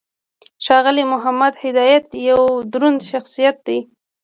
ښاغلی محمد هدایت یو دروند شخصیت دی.